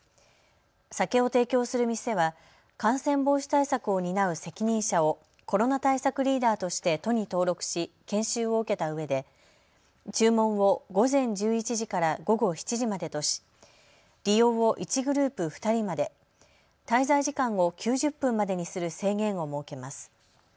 酒を提供する店は感染防止対策を担う責任者をコロナ対策リーダーとして都に登録し研修を受けたうえで注文を午前１１時から午後７時までとし、利用を１グループ２人まで、滞在時間を９０分までにする制限を設けます。